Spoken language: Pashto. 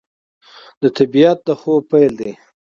د طبیعت د خوب پیل دی